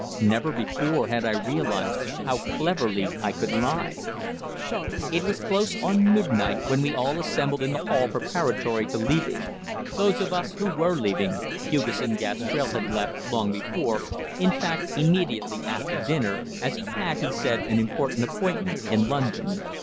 Never before had I realized how cleverly I could lie. It was close on midnight when we all assembled in the hall preparatory to leaving those of us who were leaving. Hugesson Gastrell had left long before, in fact immediately after dinner, as he had, he said, an important appointment in London.